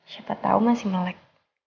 siapa tau masih melek